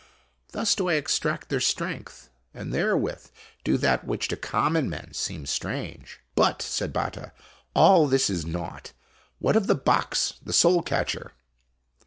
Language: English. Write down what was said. Thus do I extract their strength, and therewith do that which to common men seems strange." "But," said Batta, "all this is naught. What of the box the soul catcher?